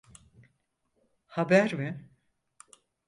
Haber mi?